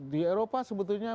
di eropa sebetulnya